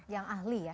yang ahli ya